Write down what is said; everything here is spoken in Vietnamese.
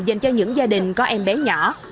dành cho những gia đình có em bé nhỏ